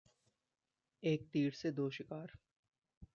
एक तीर से दो शिकार।